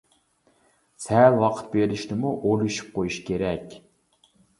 سەل ۋاقىت بېرىشنىمۇ ئويلىشىپ قويۇش كېرەك!